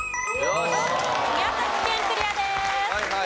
宮崎県クリアです。